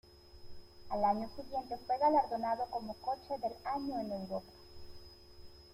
Al año siguiente fue galardonado como Coche del Año en Europa.